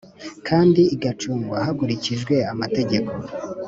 kandi igacungwa hakurikijwe amategeko